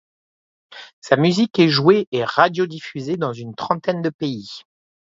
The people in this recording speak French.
Sa musique est jouée et radiodiffusée dans une trentaine de pays.